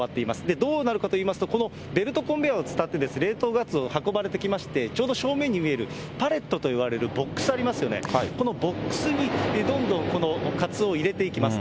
どうなるかといいますと、このベルトコンベアをつたって、冷凍ガツオ、運ばれてきまして、ちょうど正面に見えるパレットといわれるボックスありますよね、このボックスにどんどんこのカツオを入れていきます。